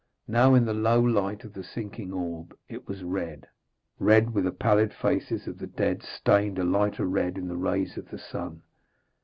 Now, in the low light of the sinking orb, it was red red, with the pallid faces of the dead stained a lighter red in the rays of the sun.